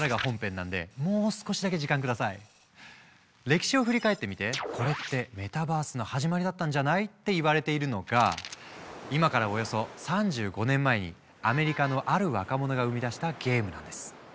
歴史を振り返ってみてこれってメタバースの始まりだったんじゃない？って言われているのが今からおよそ３５年前にアメリカのある若者が生み出したゲームなんです。